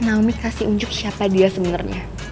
nahumid kasih unjuk siapa dia sebenernya